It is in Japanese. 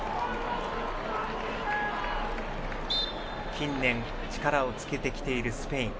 近年力をつけてきているスペイン。